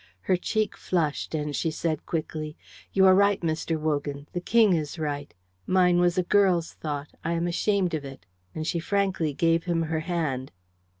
Her cheek flushed, and she said quickly, "You are right, Mr. Wogan. The King is right. Mine was a girl's thought. I am ashamed of it;" and she frankly gave him her hand.